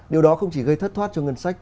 điều đó không chỉ gây thất thoát cho ngân sách